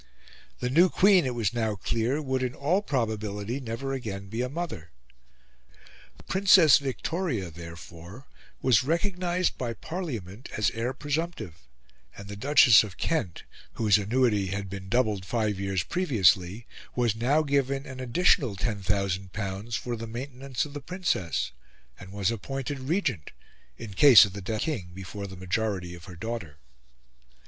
The new Queen, it was now clear, would in all probability never again be a mother; the Princess Victoria, therefore, was recognised by Parliament as heir presumptive; and the Duchess of Kent, whose annuity had been doubled five years previously, was now given an additional L10,000 for the maintenance of the Princess, and was appointed regent, in case of the death of the King before the majority of her daughter.